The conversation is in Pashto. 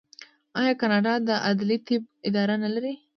آیا کاناډا د عدلي طب اداره نلري؟